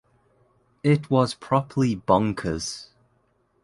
It was properly bonkers.